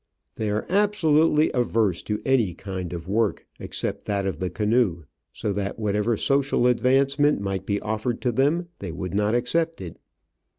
They are absolutely averse to any kind of work except that of the canoe, so that whatever social advancement might be offered to them they would not accept it.